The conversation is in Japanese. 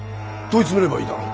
問い詰めればいいだろ。